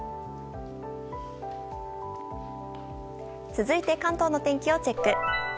続いて関東の天気をチェック。